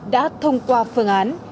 đã thông qua phương án